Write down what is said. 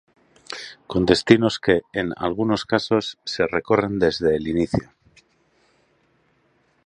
Con destinos que, en algunos casos, se recorren desde el inicio.